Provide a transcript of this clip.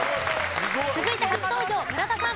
続いて初登場村田さん。